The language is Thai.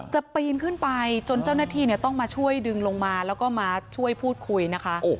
ปีนขึ้นไปจนเจ้าหน้าที่ต้องมาช่วยดึงลงมาแล้วก็มาช่วยพูดคุยนะคะ